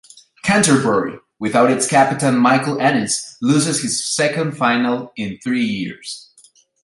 Canterbury, without its captain Michael Ennis, loses his second final in three years.